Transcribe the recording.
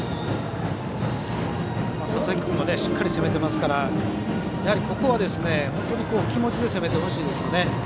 佐々木君もしっかり攻めていますからやはり、気持ちで攻めてほしいですね。